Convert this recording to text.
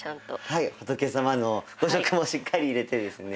はい仏様の５色もしっかり入れてですね。